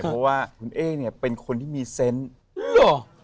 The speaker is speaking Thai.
เพราะว่าคุณเอ้นเนี้ยเป็นคนที่มีรูปตัว